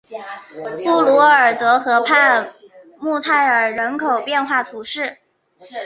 布卢尔德河畔穆泰尔人口变化图示